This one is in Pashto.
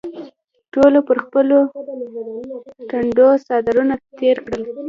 ټولو پر خپلو ټنډو څادرونه تېر کړل.